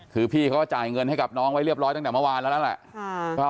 คือพี่เขาก็จ่ายเงินให้กับน้องไว้เรียบร้อยตั้งแต่เมื่อวานแล้วแล้วแหละ